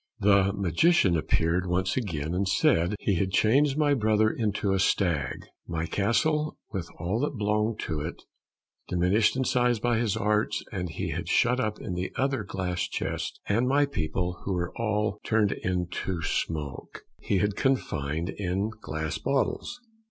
The magician appeared once again, and said he had changed my brother into a stag, my castle with all that belonged to it, diminished in size by his arts, he had shut up in the other glass chest, and my people, who were all turned into smoke, he had confined in glass bottles.